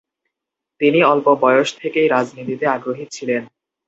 তিনি অল্প বয়স থেকেই রাজনীতিতে আগ্রহী ছিলেন।